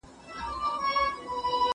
ایا د جګړي پر مهال کومه پروژه فعاله وه؟